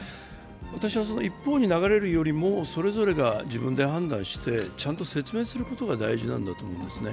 私はその一方に流れるよりはそれぞれが自分で判断して説明することが大事なんだと思いますね。